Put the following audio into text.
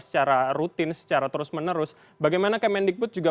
secara rutin secara terus menerus bagaimana kemendikbud juga